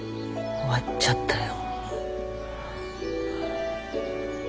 終わっちゃったよ。